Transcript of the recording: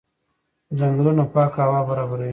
ځنګلونه پاکه هوا برابروي.